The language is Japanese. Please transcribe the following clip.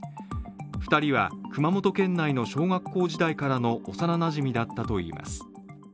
２人は、熊本県内の小学校時代からの幼なじみだったといいます。